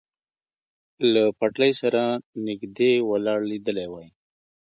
له پټلۍ سره نږدې ولاړ لیدلی وای.